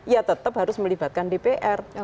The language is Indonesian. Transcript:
ya tetap harus melibatkan dpr